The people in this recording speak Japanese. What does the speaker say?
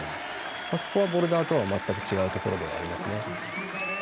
そこはボルダーとは全く違うところではありますね。